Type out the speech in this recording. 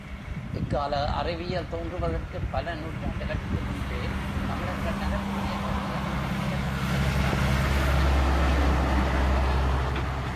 இக்கால அறிவியல் தோன்றுவதற்குப் பல நூற்றாண்டுகட்கு முன்பே தமிழர்கள் நரம்பின் இயக்கத்தை அறிந்திருந்தனர் என்பதற்காக இவை ஈண்டு எடுத்துக்காட்டப்பட்டன.